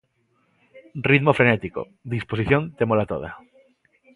Ritmo frenético "Disposición témola toda".